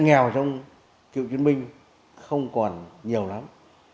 nghèo trong cựu chiến binh không còn nhiều lắm